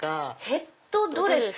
ヘッドドレス？